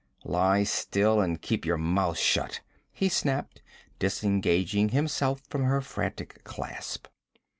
'Lie still and keep your mouth shut!' he snapped, disengaging himself from her frantic clasp.